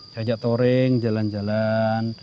saya ajak toring jalan jalan